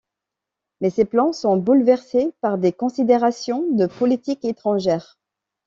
Mais ces plans sont bouleversés par des considérations de politique étrangère.